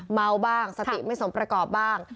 เมาบ้างสติไม่สมประกอบบ้าง